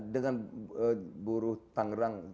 dengan buruh tanggerang